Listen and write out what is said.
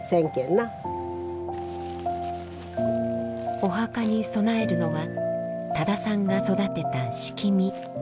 お墓に供えるのは多田さんが育てたシキミ。